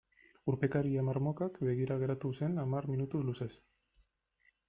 Urpekaria marmokak begira geratu zen hamar minutu luzez.